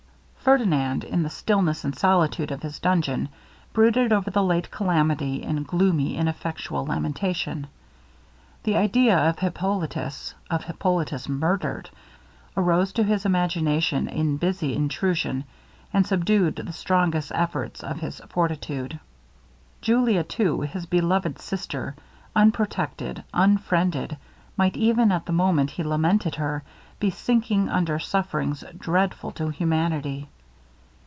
Ferdinand, in the stillness and solitude of his dungeon, brooded over the late calamity in gloomy ineffectual lamentation. The idea of Hippolitus of Hippolitus murdered arose to his imagination in busy intrusion, and subdued the strongest efforts of his fortitude. Julia too, his beloved sister unprotected unfriended might, even at the moment he lamented her, be sinking under sufferings dreadful to humanity.